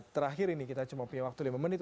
terakhir ini kita cuma punya waktu lima menit